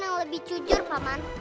ada lawan yang lebih jujur pak man